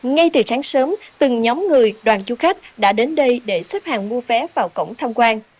ngay từ sáng sớm từng nhóm người đoàn du khách đã đến đây để xếp hàng mua vé vào cổng tham quan